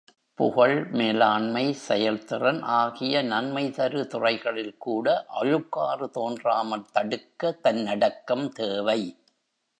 புகழ் மேலாண்மை செயல்திறன் ஆகிய நன்மைதரு துறைகளில்கூட அழுக்காறு தோன்றாமல் தடுக்க, தன்னடக்கம் தேவை.